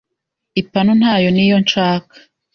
Ipanu ntayo niyo nshaka